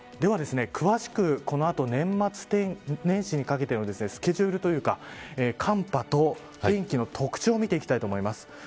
では詳しく、この後年末年始にかけてのスケジュールというか寒波とお天気の特徴を見ていきたいと思います。